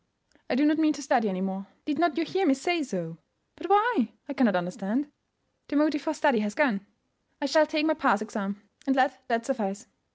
"I do not mean to study any more. Did not you hear me say so?" "But why? I cannot understand." "The motive for study has gone. I shall take my pass exam., and let that suffice.